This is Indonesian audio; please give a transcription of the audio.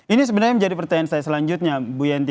ini sebenarnya menjadi pertanyaan saya selanjutnya bu yanti